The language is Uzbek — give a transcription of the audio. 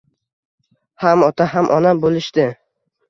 Ham ota, ham ona bo‘lishdi.